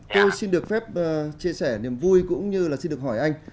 tôi xin được phép chia sẻ niềm vui cũng như là xin được hỏi anh